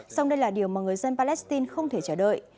song đây là điều mà người dân palestine không thể chờ đợi